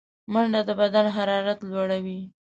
منډه د بدن حرارت لوړوي